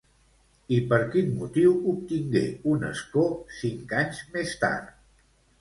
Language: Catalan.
I per quin motiu obtingué un escó cinc anys més tard?